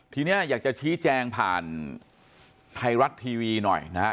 ทีนี้อยากจะชี้แจงผ่านไทยรัฐทีวีหน่อยนะฮะ